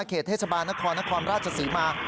เขตเทศบาลนครนครราชศรีมา